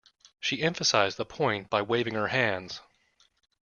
She emphasised the point by waving her hands.